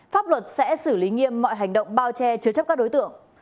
pháp luật sẽ xử lý nghiêm mọi hành động bao che chứa chấp các đối tượng